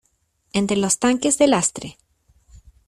entre los tanques de lastre.